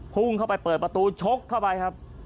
พุ่งเข้าไปเปิดประตูชกเข้าไปครับ